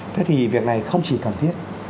thế thì việc này không chỉ cần thiết